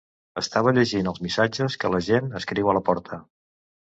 Estava llegint els missatges que la gent escriu a la porta.